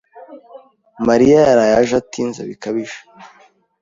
Mariya yaraye aje atinze bikabije.